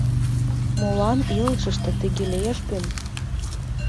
Молан илышыште тыге лиеш гын?